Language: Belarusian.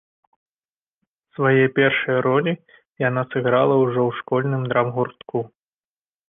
Свае першыя ролі яна сыграла ўжо ў школьным драмгуртку.